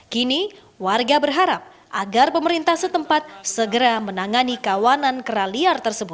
kini warga berharap agar pemerintah setempat segera menangani kawanan kera liar tersebut